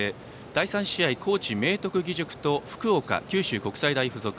第３試合は高知・明徳義塾と福岡・九州国際大付属。